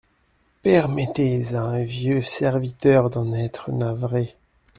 Permettez à un vieux serviteur d'en être navré.